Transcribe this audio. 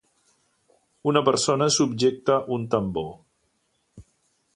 Una persona subjecte un tambor.